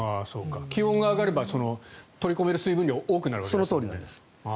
気温が上がれば取り込める水分量は多くなるわけですもんね。